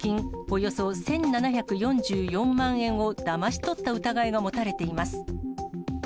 およそ１７４４万円をだまし取った疑いが持たれています。